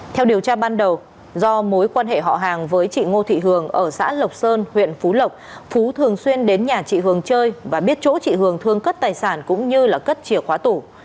theo điều tra ban đầu do mối quan hệ họ hàng với chị ngô thị hường ở xã lộc sơn huyện phú lộc phú thường xuyên đến nhà chị hường chơi và biết chỗ chị hường thương cất tài sản cũng như cất chìa khóa tủ